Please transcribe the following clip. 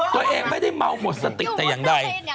ตัวเองไม่ได้เมาหมดสติแต่อย่างใด